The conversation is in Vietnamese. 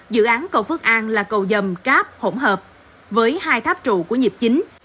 dự án cầu phước an là cầu dầm cáp hỗn hợp với hai tháp trụ của nhịp chính